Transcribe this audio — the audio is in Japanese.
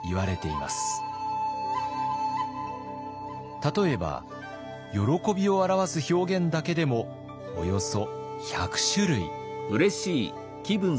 例えば「喜び」を表す表現だけでもおよそ１００種類。